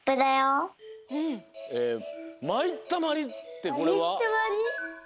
「まいったまり」ってこれはなに？